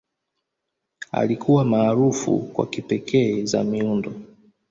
Alikuwa maarufu kwa kipekee za miundo.